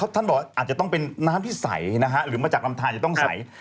ท่านบอกอาจจะต้องเป็นน้ำที่ใสนะฮะหรือมาจากลำทานจะต้องใส